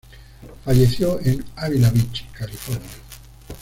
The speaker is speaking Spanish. Falleció en Avila Beach, California.